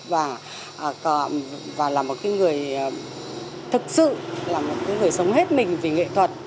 và là một cái người thực sự là một cái người sống hết mình vì nghệ thuật